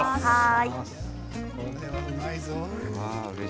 これはうまいぞ。